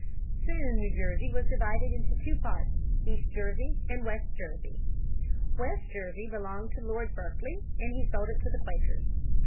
Soon New Jersey was divided into two parts, East Jersey and West Jersey. West Jersey belonged to Lord Berkeley and he sold it to the Quakers.